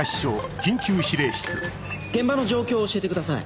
現場の状況を教えてください。